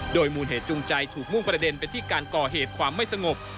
โดยมูลเหตุจูงใจถูกมุ่งประเด็นไปที่การก่อเหตุความไม่สงบ